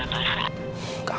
maksudnya apa lagi